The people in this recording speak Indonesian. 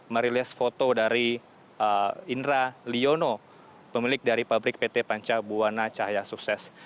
merilis foto dari indra liono pemilik dari pabrik pt panca buana cahaya sukses